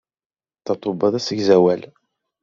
Tatoeba d asegzawal.